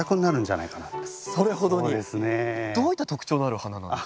どういった特徴のある花なんでしょうか？